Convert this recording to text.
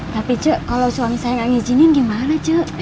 tapi ce kalau suami saya gak ngijinin gimana ce